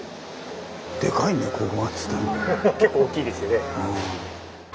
結構おっきいですよね。